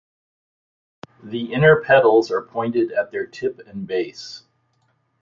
The inner petals are pointed at their tip and base.